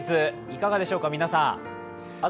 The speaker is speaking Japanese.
いかがでしょうか、皆さん。